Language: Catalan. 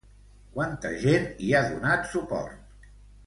Quanta gent hi ha donat suport?